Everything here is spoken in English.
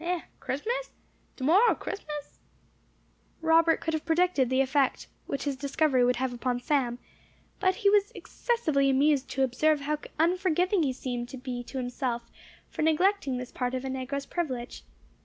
Eh! Christmas? Tomorrow Christmas?" [#] If it is not. Robert could have predicted the effect which his discovery would have upon Sam, but he was excessively amused to observe how unforgiving he seemed to be to himself for neglecting this part of a negro's privilege.